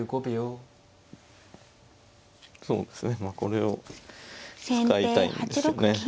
まあこれを使いたいんですよね。